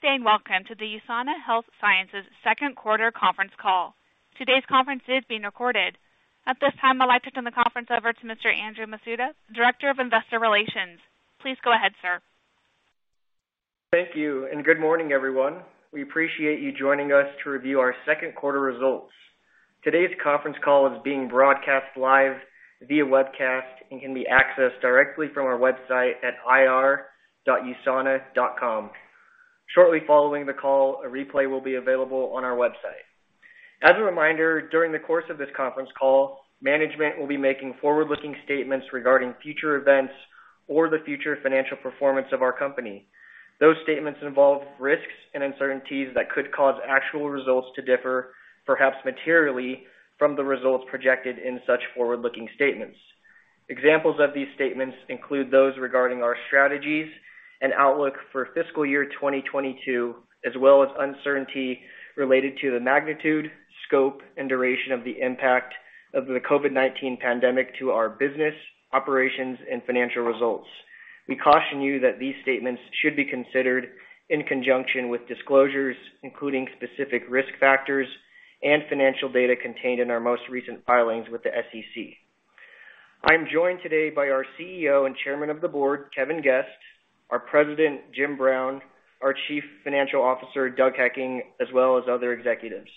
Good day, and welcome to the USANA Health Sciences second quarter conference call. Today's conference is being recorded. At this time, I'd like to turn the conference over to Mr. Andrew Masuda, Director of Investor Relations. Please go ahead, sir. Thank you, and good morning, everyone. We appreciate you joining us to review our second quarter results. Today's conference call is being broadcast live via webcast and can be accessed directly from our website at ir.usana.com. Shortly following the call, a replay will be available on our website. As a reminder, during the course of this conference call, management will be making forward-looking statements regarding future events or the future financial performance of our company. Those statements involve risks and uncertainties that could cause actual results to differ, perhaps materially, from the results projected in such forward-looking statements. Examples of these statements include those regarding our strategies and outlook for fiscal year 2022, as well as uncertainty related to the magnitude, scope, and duration of the impact of the COVID-19 pandemic to our business, operations, and financial results. We caution you that these statements should be considered in conjunction with disclosures, including specific risk factors and financial data contained in our most recent filings with the SEC. I am joined today by our CEO and Chairman of the Board, Kevin Guest, our President, Jim Brown, our Chief Financial Officer, Doug Hekking, as well as other executives.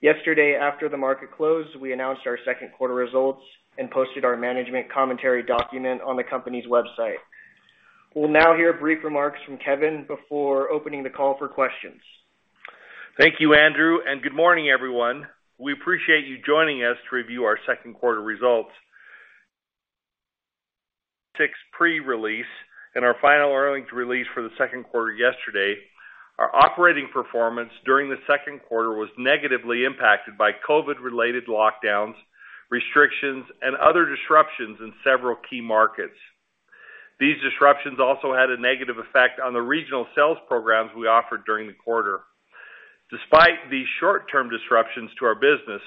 Yesterday, after the market closed, we announced our second quarter results and posted our management commentary document on the company's website. We'll now hear brief remarks from Kevin before opening the call for questions. Thank you, Andrew, and good morning, everyone. We appreciate you joining us to review our second quarter results. We issued a pre-release and our final earnings release for the second quarter yesterday. Our operating performance during the second quarter was negatively impacted by COVID-related lockdowns, restrictions, and other disruptions in several key markets. These disruptions also had a negative effect on the regional sales programs we offered during the quarter. Despite these short-term disruptions to our business,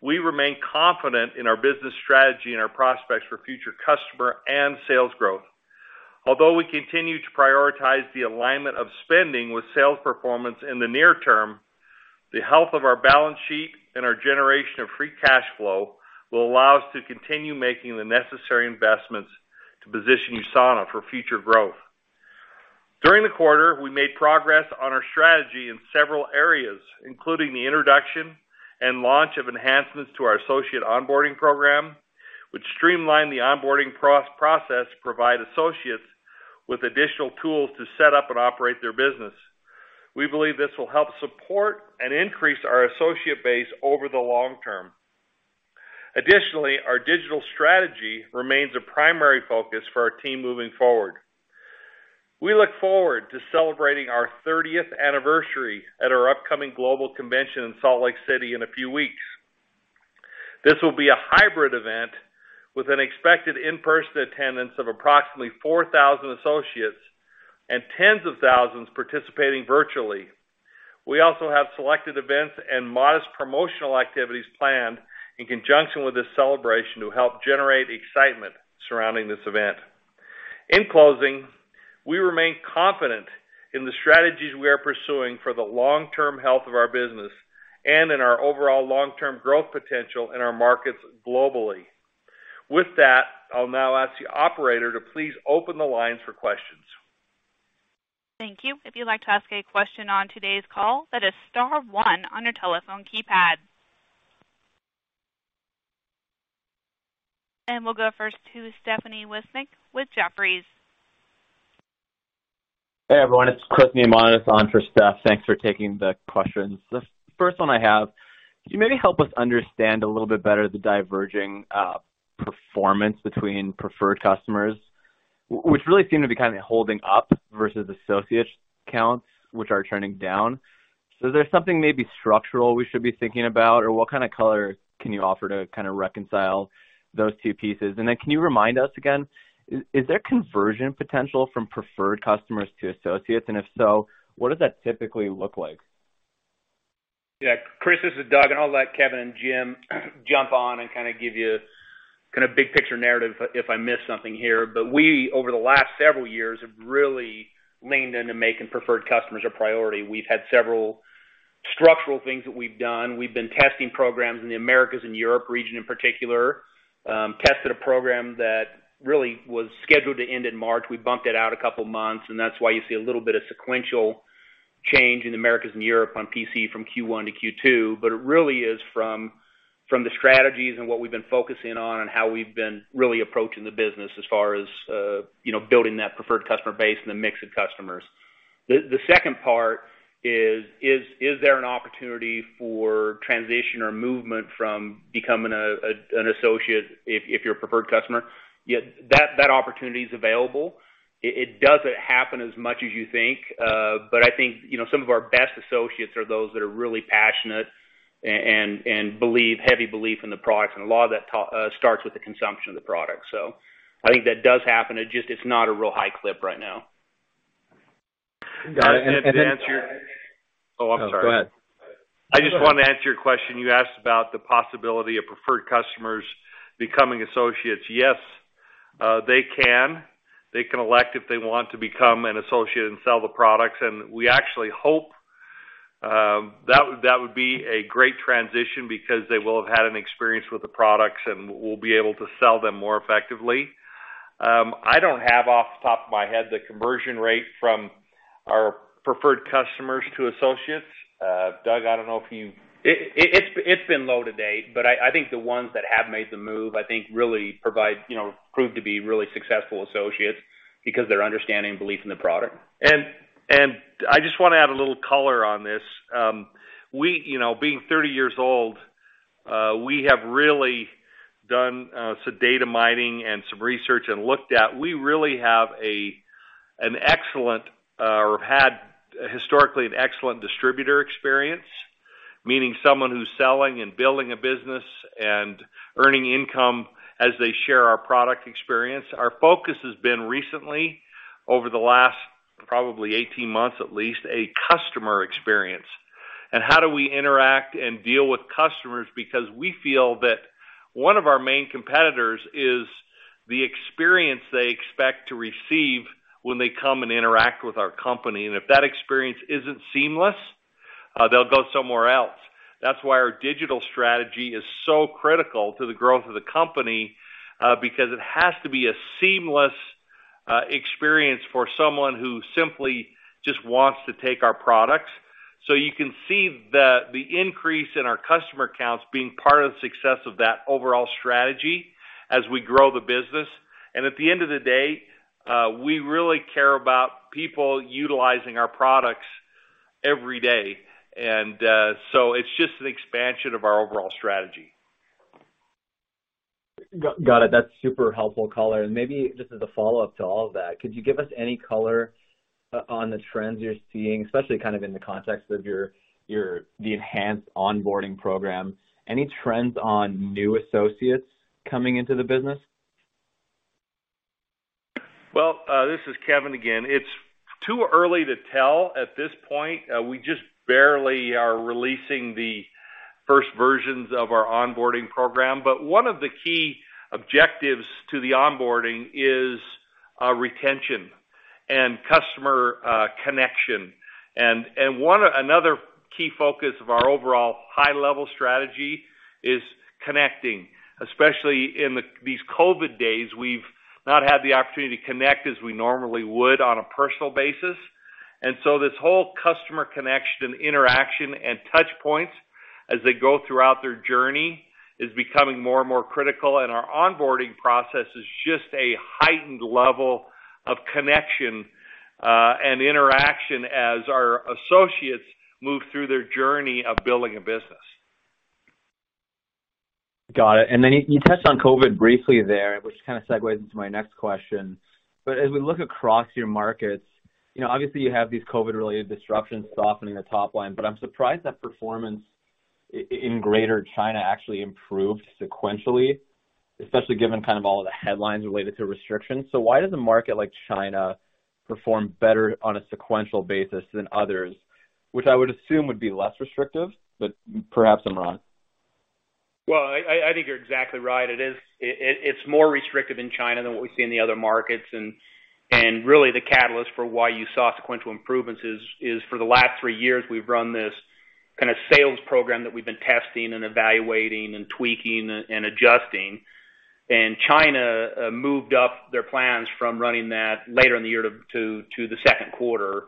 we remain confident in our business strategy and our prospects for future customer and sales growth. Although we continue to prioritize the alignment of spending with sales performance in the near term, the health of our balance sheet and our generation of free cash flow will allow us to continue making the necessary investments to position USANA for future growth. During the quarter, we made progress on our strategy in several areas, including the introduction and launch of enhancements to our associate onboarding program, which streamlined the onboarding process to provide associates with additional tools to set up and operate their business. We believe this will help support and increase our associate base over the long term. Additionally, our digital strategy remains a primary focus for our team moving forward. We look forward to celebrating our thirtieth anniversary at our upcoming global convention in Salt Lake City in a few weeks. This will be a hybrid event with an expected in-person attendance of approximately 4,000 associates and tens of thousands participating virtually. We also have selected events and modest promotional activities planned in conjunction with this celebration to help generate excitement surrounding this event. In closing, we remain confident in the strategies we are pursuing for the long-term health of our business and in our overall long-term growth potential in our markets globally. With that, I'll now ask the operator to please open the lines for questions. Thank you. If you'd like to ask a question on today's call, that is star one on your telephone keypad. We'll go first to Stephanie Wissink with Jefferies. Hey, everyone. It's Chris Neamonitis on for Steph. Thanks for taking the questions. The first one I have, could you maybe help us understand a little bit better the diverging performance between preferred customers, which really seem to be kind of holding up versus associate counts, which are turning down. Is there something maybe structural we should be thinking about? Or what kind of color can you offer to kind of reconcile those two pieces? Can you remind us again, is there conversion potential from preferred customers to associates? And if so, what does that typically look like? Yeah. Chris, this is Doug, and I'll let Kevin and Jim jump on and kind of give you kind of big picture narrative if I miss something here. We, over the last several years, have really leaned into making preferred customers a priority. We've had several structural things that we've done. We've been testing programs in the Americas and Europe region in particular. Tested a program that really was scheduled to end in March. We bumped it out a couple months, and that's why you see a little bit of sequential change in the Americas and Europe on PC from Q1 to Q2. It really is from the strategies and what we've been focusing on and how we've been really approaching the business as far as, you know, building that preferred customer base and the mix of customers. The second part is there an opportunity for transition or movement from becoming an associate if you're a preferred customer? Yeah. That opportunity is available. It doesn't happen as much as you think. I think, you know, some of our best associates are those that are really passionate and believe, heavy belief in the products, and a lot of that starts with the consumption of the product. I think that does happen. It just, it's not a real high clip right now. Got it. Oh, I'm sorry. No, go ahead. I just want to answer your question. You asked about the possibility of preferred customers becoming associates. Yes, they can. They can elect if they want to become an associate and sell the products. We actually hope that would be a great transition because they will have had an experience with the products and we'll be able to sell them more effectively. I don't have off the top of my head the conversion rate from our preferred customers to associates. Doug, I don't know if you- It's been low to date, but I think the ones that have made the move, I think really, you know, prove to be really successful associates because their understanding and belief in the product. I just wanna add a little color on this. You know, being 30 years old, we have really done some data mining and some research and looked at. We really have an excellent or had historically an excellent distributor experience, meaning someone who's selling and building a business and earning income as they share our product experience. Our focus has been recently over the last probably 18 months, at least, on customer experience and how do we interact and deal with customers because we feel that one of our main competitors is the experience they expect to receive when they come and interact with our company. If that experience isn't seamless, they'll go somewhere else. That's why our digital strategy is so critical to the growth of the company, because it has to be a seamless experience for someone who simply just wants to take our products. You can see the increase in our customer counts being part of the success of that overall strategy as we grow the business. At the end of the day, we really care about people utilizing our products every day. It's just an expansion of our overall strategy. Got it. That's super helpful color. Maybe just as a follow-up to all of that, could you give us any color on the trends you're seeing, especially kind of in the context of the enhanced onboarding program? Any trends on new associates coming into the business? Well, this is Kevin again. It's too early to tell at this point. We just barely are releasing the first versions of our onboarding program. One of the key objectives to the onboarding is retention and customer connection. Another key focus of our overall high level strategy is connecting, especially in these COVID days. We've not had the opportunity to connect as we normally would on a personal basis. This whole customer connection, interaction, and touch points as they go throughout their journey is becoming more and more critical. Our onboarding process is just a heightened level of connection and interaction as our associates move through their journey of building a business. Got it. You touched on COVID briefly there, which kind of segues into my next question. As we look across your markets, you know, obviously you have these COVID-related disruptions softening the top line, but I'm surprised that performance in Greater China actually improved sequentially, especially given kind of all of the headlines related to restrictions. Why does a market like China perform better on a sequential basis than others, which I would assume would be less restrictive, but perhaps I'm wrong. Well, I think you're exactly right. It's more restrictive in China than what we see in the other markets. Really the catalyst for why you saw sequential improvements is for the last three years, we've run this kinda sales program that we've been testing and evaluating and tweaking and adjusting. China moved up their plans from running that later in the year to the second quarter,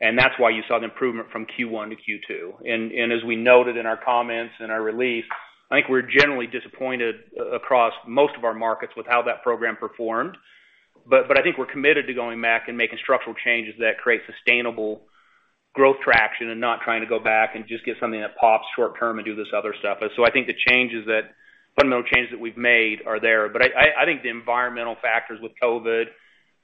and that's why you saw the improvement from Q1 to Q2. As we noted in our comments and our release, I think we're generally disappointed across most of our markets with how that program performed. I think we're committed to going back and making structural changes that create sustainable growth traction and not trying to go back and just get something that pops short term and do this other stuff. I think the fundamental changes that we've made are there. I think the environmental factors with COVID,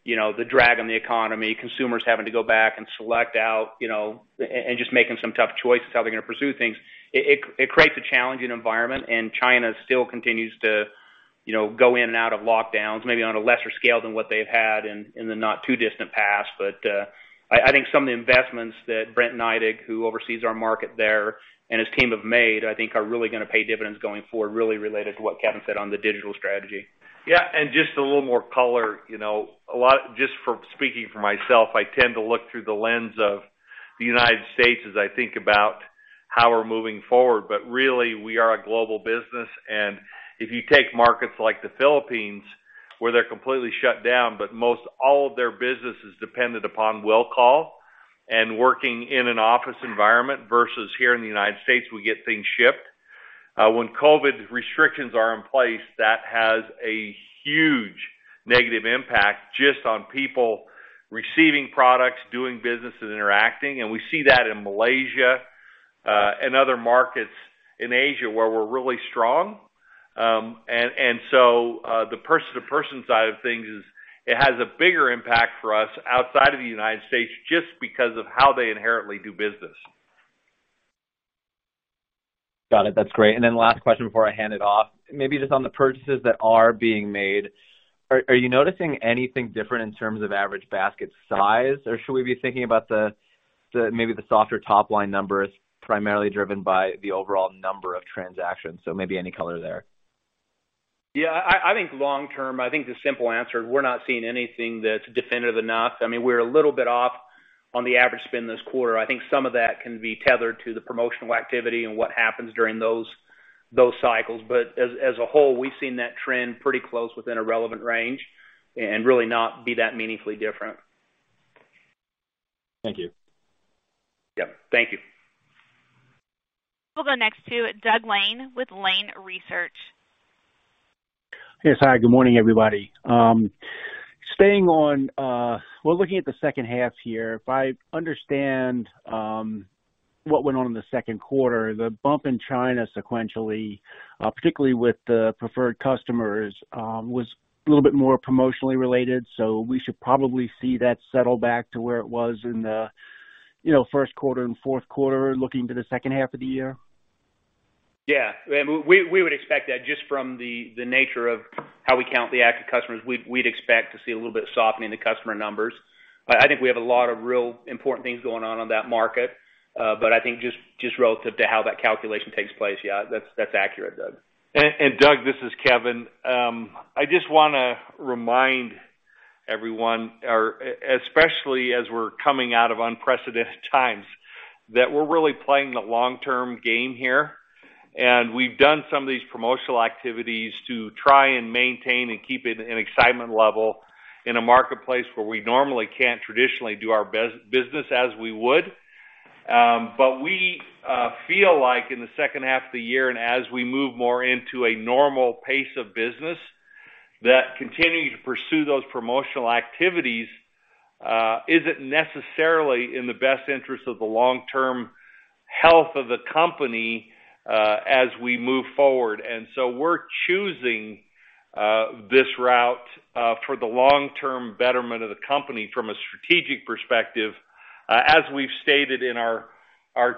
you know, the drag on the economy, consumers having to go back and select out, you know, and just making some tough choices how they're gonna pursue things, it creates a challenging environment. China still continues to, you know, go in and out of lockdowns, maybe on a lesser scale than what they've had in the not too distant past. I think some of the investments that Brent Neidig, who oversees our market there, and his team have made, I think are really gonna pay dividends going forward, really related to what Kevin said on the digital strategy. Yeah. Just a little more color, you know, just for speaking for myself, I tend to look through the lens of the United States as I think about how we're moving forward. Really, we are a global business, and if you take markets like the Philippines where they're completely shut down, but most all of their business is dependent upon will call and working in an office environment versus here in the United States, we get things shipped. When COVID restrictions are in place, that has a huge negative impact just on people receiving products, doing business, and interacting. We see that in Malaysia, and other markets in Asia where we're really strong. The person to person side of things is it has a bigger impact for us outside of the United States just because of how they inherently do business. Got it. That's great. Last question before I hand it off. Maybe just on the purchases that are being made, are you noticing anything different in terms of average basket size? Or should we be thinking about the maybe the softer top-line numbers primarily driven by the overall number of transactions? Maybe any color there. Yeah, I think long term, I think the simple answer is we're not seeing anything that's definitive enough. I mean, we're a little bit off on the average spend this quarter. I think some of that can be tethered to the promotional activity and what happens during those cycles. As a whole, we've seen that trend pretty close within a relevant range and really not be that meaningfully different. Thank you. Yep. Thank you. We'll go next to Doug Lane with Lane Research. Yes. Hi, good morning, everybody. Staying on, we're looking at the second half here. If I understand what went on in the second quarter, the bump in China sequentially, particularly with the preferred customers, was a little bit more promotionally related, so we should probably see that settle back to where it was in the, you know, first quarter and fourth quarter looking to the second half of the year? Yeah. I mean, we would expect that just from the nature of how we count the active customers. We'd expect to see a little bit of softening in the customer numbers. I think we have a lot of real important things going on in that market. I think just relative to how that calculation takes place, yeah, that's accurate, Doug. Doug, this is Kevin. I just wanna remind everyone, especially as we're coming out of unprecedented times, that we're really playing the long-term game here. We've done some of these promotional activities to try and maintain and keep an excitement level in a marketplace where we normally can't traditionally do our business as we would. We feel like in the second half of the year and as we move more into a normal pace of business, that continuing to pursue those promotional activities isn't necessarily in the best interest of the long-term health of the company as we move forward. We're choosing this route for the long-term betterment of the company from a strategic perspective, as we've stated in our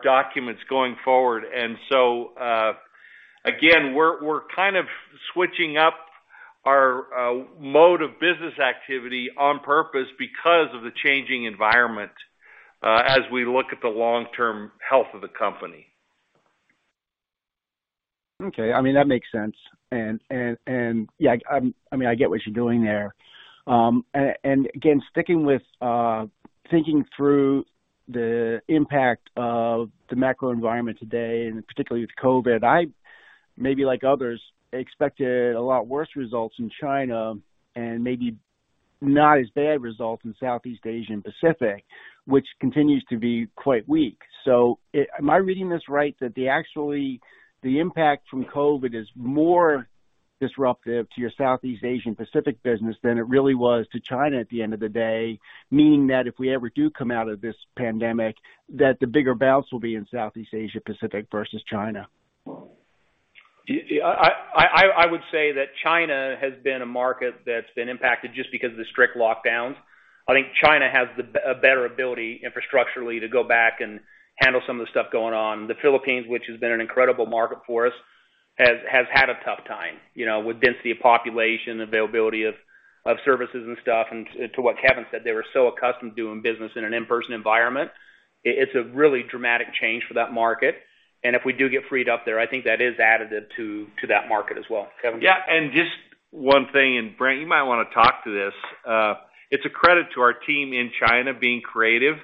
documents going forward. Again, we're kind of switching up our mode of business activity on purpose because of the changing environment, as we look at the long-term health of the company. Okay. I mean, that makes sense. Yeah, I mean, I get what you're doing there. Again, sticking with thinking through the impact of the macro environment today, and particularly with COVID, I maybe like others expected a lot worse results in China and maybe not as bad results in Southeast Asia and Pacific, which continues to be quite weak. Am I reading this right that, actually, the impact from COVID is more disruptive to your Southeast Asian Pacific business than it really was to China at the end of the day, meaning that if we ever do come out of this pandemic, that the bigger bounce will be in Southeast Asia Pacific versus China? Yeah. I would say that China has been a market that's been impacted just because of the strict lockdowns. I think China has a better ability infrastructurally to go back and handle some of the stuff going on. The Philippines, which has been an incredible market for us, has had a tough time, you know, with density of population, availability of services and stuff. To what Kevin said, they were so accustomed to doing business in an in-person environment. It's a really dramatic change for that market. If we do get freed up there, I think that is additive to that market as well. Kevin? Yeah. Just one thing, and Brent, you might wanna talk to this. It's a credit to our team in China being creative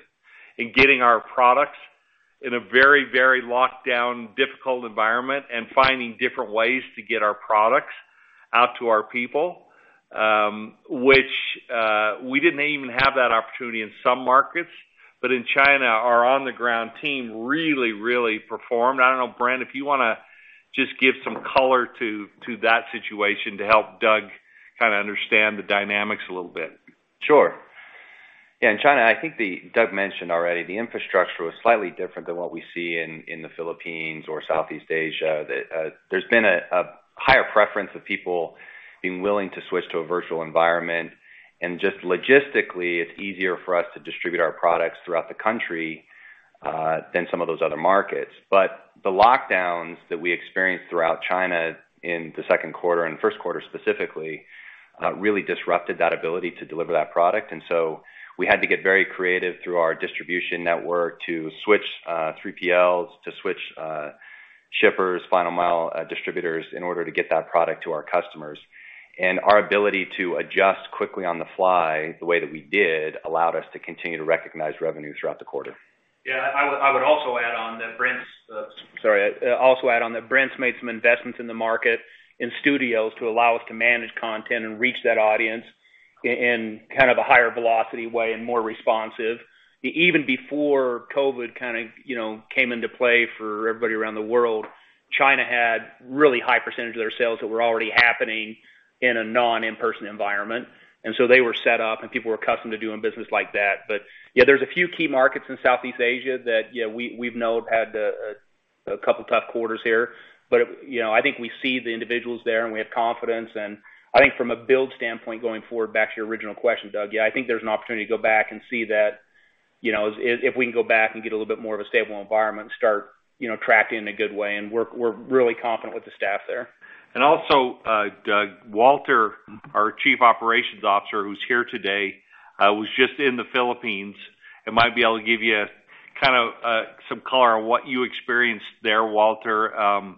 in getting our products in a very, very locked down, difficult environment and finding different ways to get our products out to our people, which we didn't even have that opportunity in some markets. In China, our on-the-ground team really, really performed. I don't know, Brent, if you wanna just give some color to that situation to help Doug kind of understand the dynamics a little bit. Sure. Yeah, in China, I think Doug mentioned already the infrastructure was slightly different than what we see in the Philippines or Southeast Asia. There's been a higher preference of people being willing to switch to a virtual environment. Just logistically, it's easier for us to distribute our products throughout the country than some of those other markets. The lockdowns that we experienced throughout China in the second quarter and first quarter specifically really disrupted that ability to deliver that product. We had to get very creative through our distribution network to switch 3PLs, to switch shippers, final mile distributors in order to get that product to our customers. Our ability to adjust quickly on the fly the way that we did allowed us to continue to recognize revenue throughout the quarter. Yeah. I would also add on that Brent's made some investments in the marketing studios to allow us to manage content and reach that audience in kind of a higher velocity way and more responsive. Even before COVID kind of, you know, came into play for everybody around the world, China had really high percentage of their sales that were already happening in a non-in-person environment. They were set up and people were accustomed to doing business like that. Yeah, there's a few key markets in Southeast Asia that, you know, we've known had a couple of tough quarters here. You know, I think we see the individuals there, and we have confidence. I think from a build standpoint going forward, back to your original question, Doug, yeah, I think there's an opportunity to go back and see that. You know, if we can go back and get a little bit more of a stable environment and start, you know, tracking in a good way. We're really confident with the staff there. Also, Doug, Walter, our Chief Operations Officer, who's here today, was just in the Philippines and might be able to give you kind of some color on what you experienced there, Walter,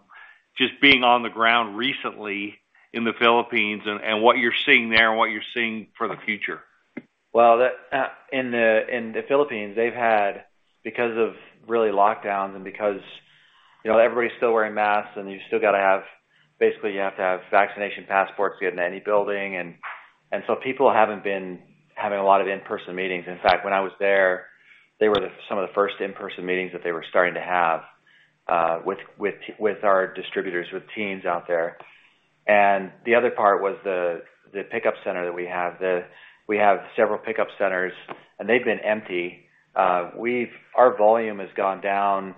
just being on the ground recently in the Philippines and what you're seeing there and what you're seeing for the future. Well, in the Philippines, they've had because of really lockdowns and because, you know, everybody's still wearing masks, and you still gotta have basically you have to have vaccination passports to get into any building. People haven't been having a lot of in-person meetings. In fact, when I was there, they were some of the first in-person meetings that they were starting to have with our distributors, with teams out there. The other part was the pickup center that we have. We have several pickup centers, and they've been empty. Our volume has gone down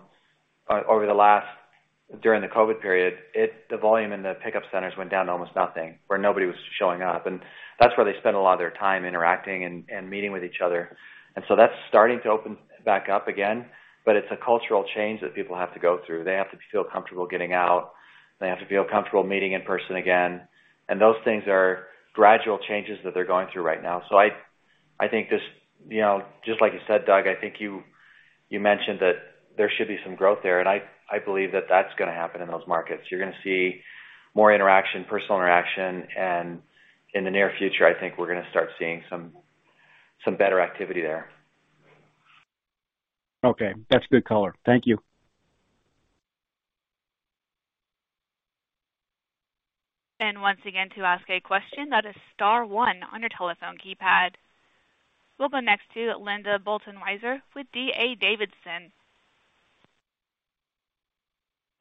during the COVID period. The volume in the pickup centers went down to almost nothing, where nobody was showing up. That's where they spend a lot of their time interacting and meeting with each other. That's starting to open back up again. It's a cultural change that people have to go through. They have to feel comfortable getting out. They have to feel comfortable meeting in person again. Those things are gradual changes that they're going through right now. I think this, you know, just like you said, Doug, I think you mentioned that there should be some growth there. I believe that that's gonna happen in those markets. You're gonna see more interaction, personal interaction. In the near future, I think we're gonna start seeing some better activity there. Okay. That's good color. Thank you. Once again, to ask a question, that is star one on your telephone keypad. We'll go next to Linda Bolton Weiser with D.A. Davidson.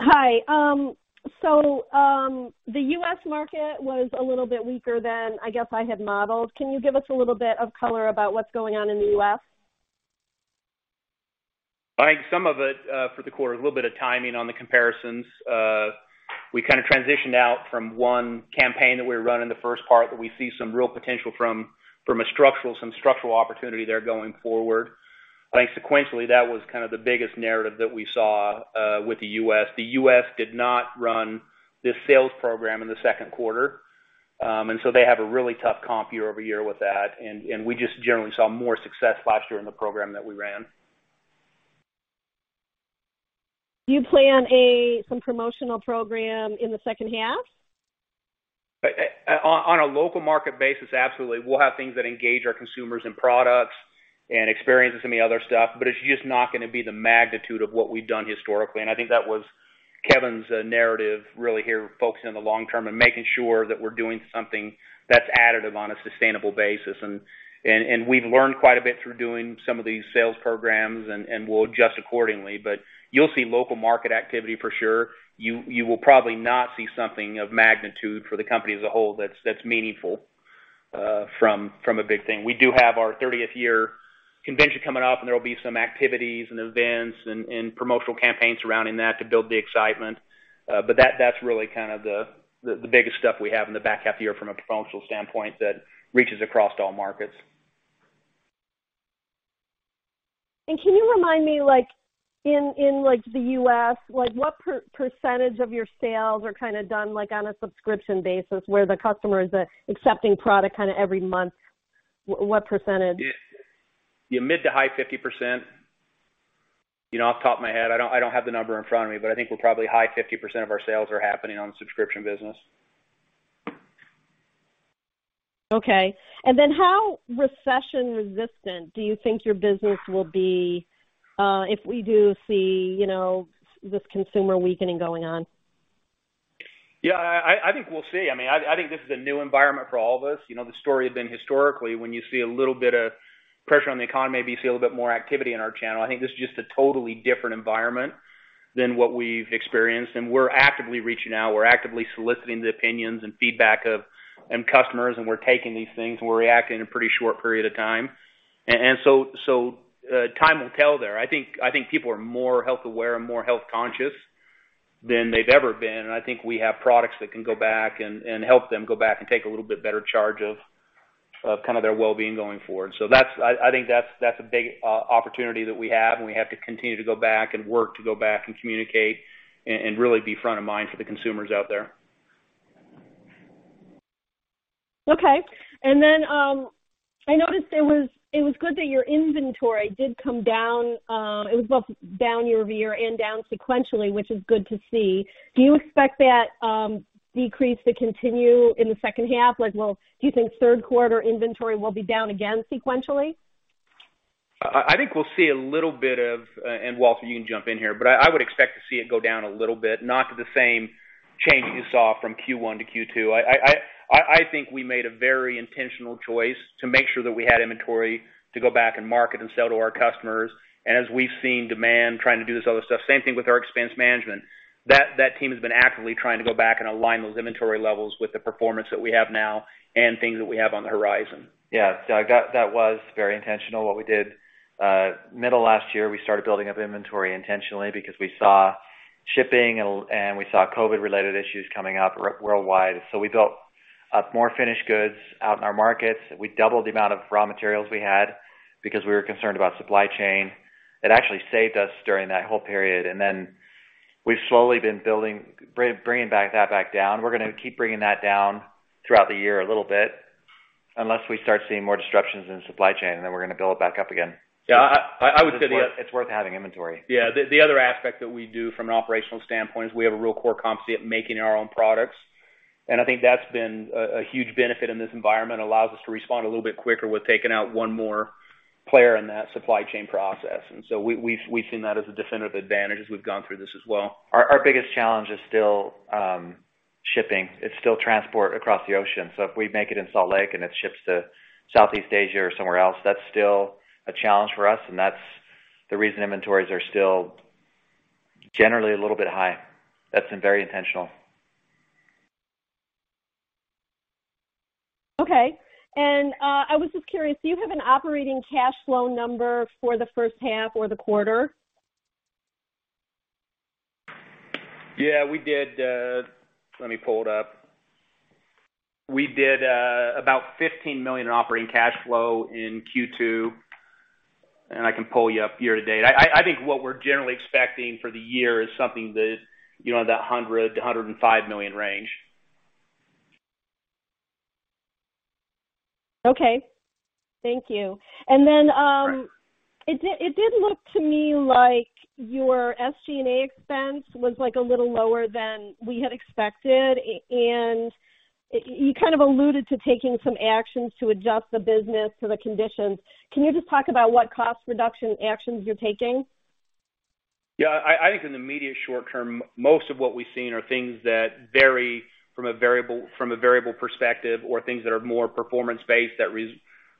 Hi. The U.S. market was a little bit weaker than I guess I had modeled. Can you give us a little bit of color about what's going on in the U.S.? I think some of it, for the quarter, a little bit of timing on the comparisons. We kind of transitioned out from one campaign that we were running the first part that we see some real potential from a structural opportunity there going forward. I think sequentially, that was kind of the biggest narrative that we saw with the U.S. The U.S. did not run this sales program in the second quarter. They have a really tough comp year over year with that. We just generally saw more success last year in the program that we ran. Do you plan some promotional program in the second half? On a local market basis, absolutely. We'll have things that engage our consumers and products and experiences and the other stuff, but it's just not gonna be the magnitude of what we've done historically. I think that was Kevin's narrative really here, focusing on the long term and making sure that we're doing something that's additive on a sustainable basis. We've learned quite a bit through doing some of these sales programs, and we'll adjust accordingly. You'll see local market activity for sure. You will probably not see something of magnitude for the company as a whole that's meaningful from a big thing. We do have our thirtieth year convention coming up, and there will be some activities and events and promotional campaigns surrounding that to build the excitement. That's really kind of the biggest stuff we have in the back half of the year from a promotional standpoint that reaches across all markets. Can you remind me, like, in the U.S., like, what percentage of your sales are kinda done, like, on a subscription basis, where the customer is accepting product kinda every month? What percentage? Yeah. Mid- to high 50%. You know, off the top of my head, I don't have the number in front of me, but I think we're probably high 50% of our sales are happening on the subscription business. Okay. How recession-resistant do you think your business will be, if we do see, you know, this consumer weakening going on? Yeah. I think we'll see. I mean, I think this is a new environment for all of us. You know, the story has been historically, when you see a little bit of pressure on the economy, maybe you see a little bit more activity in our channel. I think this is just a totally different environment than what we've experienced, and we're actively reaching out. We're actively soliciting the opinions and feedback of end customers, and we're taking these things, and we're reacting in a pretty short period of time. Time will tell there. I think people are more health aware and more health conscious than they've ever been. I think we have products that can go back and help them go back and take a little bit better charge of kind of their wellbeing going forward. I think that's a big opportunity that we have, and we have to continue to go back and work to go back and communicate and really be front of mind for the consumers out there. Okay. I noticed it was good that your inventory did come down. It was both down year over year and down sequentially, which is good to see. Do you expect that decrease to continue in the second half? Like, do you think third quarter inventory will be down again sequentially? I think we'll see a little bit of, and Walter, you can jump in here, but I would expect to see it go down a little bit, not to the same change that you saw from Q1 to Q2. I think we made a very intentional choice to make sure that we had inventory to go back and market and sell to our customers. As we've seen demand trying to do this other stuff, same thing with our expense management. That team has been actively trying to go back and align those inventory levels with the performance that we have now and things that we have on the horizon. That was very intentional what we did. Middle of last year, we started building up inventory intentionally because we saw shipping and we saw COVID-related issues coming up worldwide. We built up more finished goods out in our markets. We doubled the amount of raw materials we had because we were concerned about supply chain. It actually saved us during that whole period. We've slowly been bringing that back down. We're gonna keep bringing that down throughout the year a little bit unless we start seeing more disruptions in supply chain, then we're gonna build it back up again. Yeah. I would say It's worth having inventory. Yeah. The other aspect that we do from an operational standpoint is we have a real core competency at making our own products. I think that's been a huge benefit in this environment. Allows us to respond a little bit quicker with taking out one more player in that supply chain process. We've seen that as a definitive advantage as we've gone through this as well. Our biggest challenge is still shipping. It's still transport across the ocean. If we make it in Salt Lake and it ships to Southeast Asia or somewhere else, that's still a challenge for us, and that's the reason inventories are still generally a little bit high. That's been very intentional. Okay. I was just curious, do you have an operating cash flow number for the first half or the quarter? Yeah, we did. Let me pull it up. We did about $15 million in operating cash flow in Q2, and I can pull you up year to date. I think what we're generally expecting for the year is something that $100 million-$105 million range. Okay. Thank you. It did look to me like your SG&A expense was, like, a little lower than we had expected. You kind of alluded to taking some actions to adjust the business to the conditions. Can you just talk about what cost reduction actions you're taking? Yeah. I think in the immediate short term, most of what we've seen are things that vary from a variable perspective or things that are more performance-based that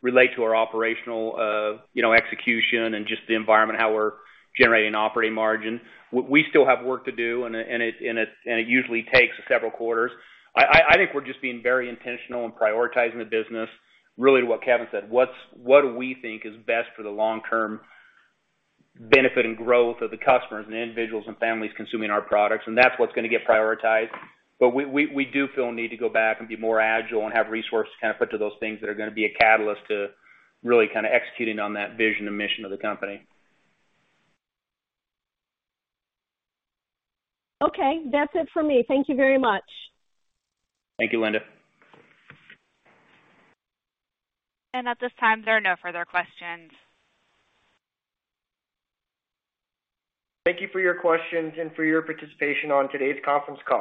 relate to our operational, you know, execution and just the environment, how we're generating operating margin. We still have work to do and it usually takes several quarters. I think we're just being very intentional in prioritizing the business. Really what Kevin said, what do we think is best for the long-term benefit and growth of the customers and individuals and families consuming our products, and that's what's gonna get prioritized. We do feel a need to go back and be more agile and have resources kind of put to those things that are gonna be a catalyst to really kind of executing on that vision and mission of the company. Okay. That's it for me. Thank you very much. Thank you, Linda. At this time, there are no further questions. Thank you for your questions and for your participation on today's conference call.